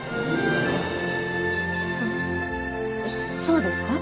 そそうですか？